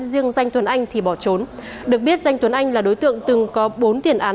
riêng danh tuấn anh thì bỏ trốn được biết danh tuấn anh là đối tượng từng có bốn tiền án